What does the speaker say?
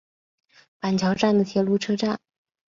板桥站的铁路车站。